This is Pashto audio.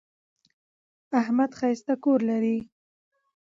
احمد ښایسته کور لري.